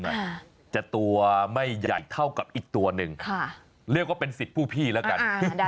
อาจจะตัวไม่ใหญ่เท่ากับอีกตัวหนึ่งค่ะเรียกว่าเป็นสิทธิ์ผู้พี่แล้วกัน